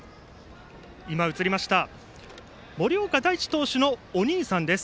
森岡大智投手のお兄さんです。